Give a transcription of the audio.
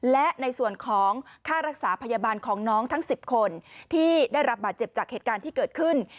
และในส่วนของค่ารักษาพยาบาลของน้องทั้ง๑๐คนที่ได้รับบาดเจ็บจากเหตุการณ์ที่เกิดขึ้น